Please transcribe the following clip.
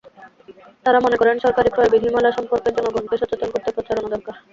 তাঁরা মনে করেন, সরকারি ক্রয় বিধিমালা সম্পর্কে জনগণকে সচেতন করতে প্রচারণা দরকার।